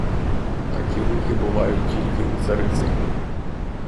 Такі руки бувають тільки у цариці.